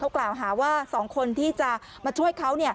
กล่าวหาว่า๒คนที่จะมาช่วยเขา